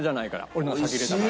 俺の方が先に入れたから。